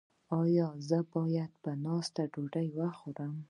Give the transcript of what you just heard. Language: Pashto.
ایا زه باید په ناسته ډوډۍ وخورم؟